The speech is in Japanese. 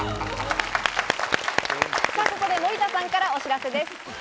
ここで森田さんからお知らせです。